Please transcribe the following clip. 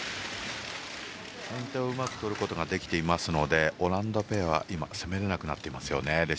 先手をうまく取ることができていますのでオランダペアは攻められなくなっていますね。